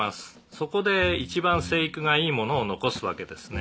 「そこで一番生育がいいものを残すわけですね」